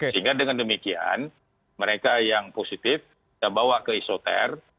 sehingga dengan demikian mereka yang positif kita bawa ke isoter